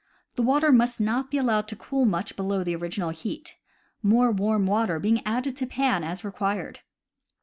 The water must not be allowed to cool much below the original heat, more warm water being added to pan as required.